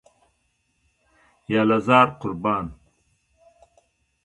یاله زار، قربان.